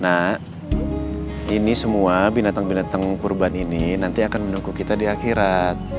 nah ini semua binatang binatang kurban ini nanti akan mendukung kita di akhirat